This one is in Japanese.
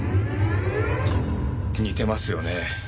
似てますよね。